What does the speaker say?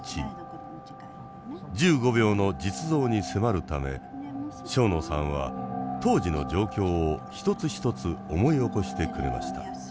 １５秒の実像に迫るため庄野さんは当時の状況を一つ一つ思い起こしてくれました。